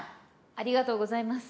ありがとうございます。